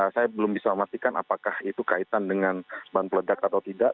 saya belum bisa memastikan apakah itu kaitan dengan bahan peledak atau tidak